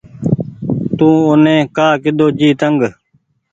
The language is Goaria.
تو اوني ڪآ ڪۮو جي تنگ۔